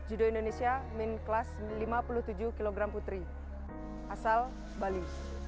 judo indonesia min kelas lima puluh tujuh kg putri asal bali